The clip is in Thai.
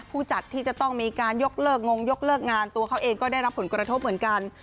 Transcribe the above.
ผู้จัดที่จะต้องมีการยกเลิกงงยกเลิกงานตัวเขาเองก็ได้รับผลกระทบเหมือนกัน